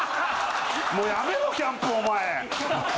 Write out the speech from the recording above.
もうやめろキャンプお前。